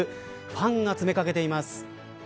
ファンが詰めかけています。